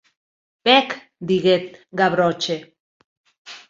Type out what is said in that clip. Pèc, didec Gavroche.